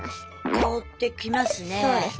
香ってきますね。